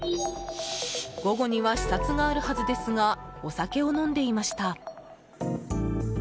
午後には視察があるはずですがお酒を飲んでいました。